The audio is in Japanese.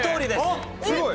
あっすごい。